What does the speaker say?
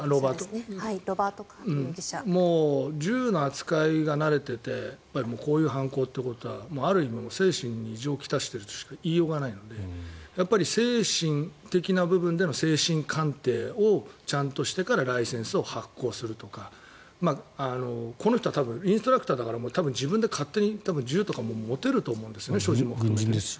もう銃の扱いが慣れていてこういう犯行ということはある意味、精神に異常をきたしているとしか言いようがないので精神的な部分での精神鑑定をちゃんとしてからライセンスを発行するとかこの人は多分、インストラクターだから勝手に銃とかも持てると思うんですね。